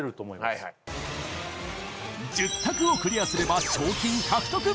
はいはい１０択をクリアすれば賞金獲得！